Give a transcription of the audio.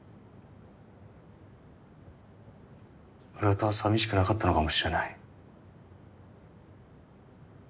浦田は寂しくなかったのかもしれない。